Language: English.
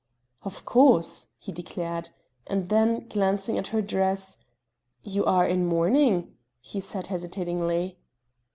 "Of course," he declared; and then, glancing at her dress: "You are in mourning?" he said hesitatingly.